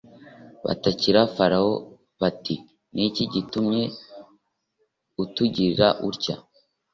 batakira Farawo bati Ni iki gitumye utugirira utya